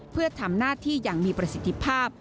เพื่อทำหน้าที่อย่างมีประสิทธิภาพ